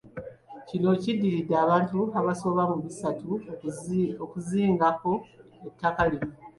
Kino kiddiridde abantu abasoba mu bisatu okuzingako ettaka lino.